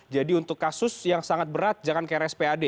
jadi untuk kasus yang sangat berat jangan ke rspad